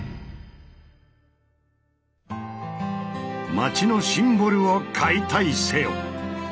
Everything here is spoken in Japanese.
街のシンボルを解体せよ！